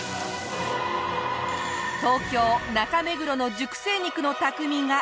東京中目黒の熟成肉の匠が。